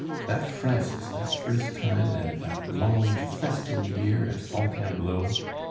That Francis, that first time, And that long festal year at Fontainebleau!